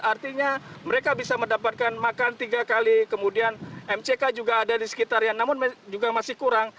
artinya mereka bisa mendapatkan makan tiga kali kemudian mck juga ada di sekitarnya namun juga masih kurang